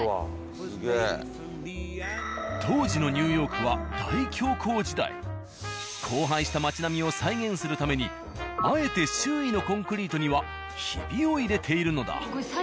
当時のニューヨークは荒廃した街並みを再現するためにあえて周囲のコンクリートにはヒビを入れているのだ。